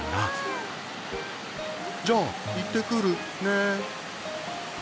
じゃあ行ってくるね。